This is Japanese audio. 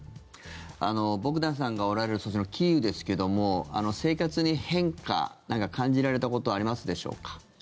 ボクダンさんがおられるそちらのキーウですけども生活に変化何か感じられたことはありますでしょうか？